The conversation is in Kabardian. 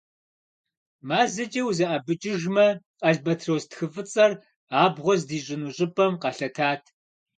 МазэкӀэ узэӀэбэкӀыжымэ, албатрос тхыфӀыцӀэр абгъуэ здищӀыну щӀыпӀэм къэлъэтат.